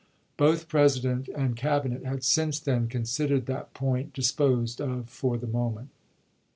Both President and Cabinet had since then considered that point disposed of for the moment.